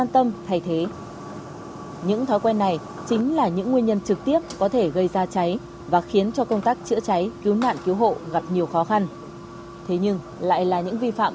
thế nhưng lại là những vi phạm khá phổ biến tại các cơ sở sản xuất kinh doanh